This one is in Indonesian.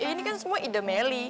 ini kan semua ide meli